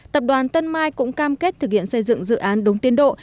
tập đoàn tân mai cũng cam kết thực hiện xây dựng dự án đúng tiến độ